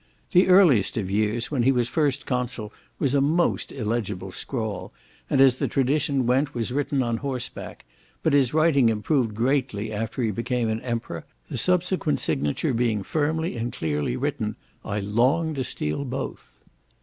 The earliest of these, when he was first consul, was a most illegible scrawl, and, as the tradition went, was written on horseback; but his writing improved greatly after he became an emperor, the subsequent signature being firmly and clearly written.—I longed to steal both.